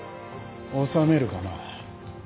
収めるかな。